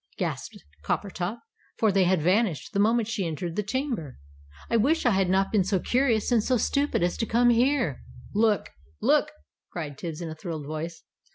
gasped Coppertop, for they had vanished the moment she entered the chamber; "I wish I had not been so curious and stupid as to come here!" "Look!" cried Tibbs, in a thrilled voice.